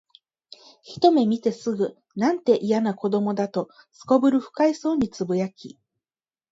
ひとめ見てすぐ、「なんて、いやな子供だ」と頗る不快そうに呟き、